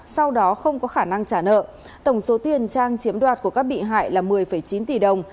sau đó không có khả năng trả nợ tổng số tiền trang chiếm đoạt của các bị hại là một mươi chín tỷ đồng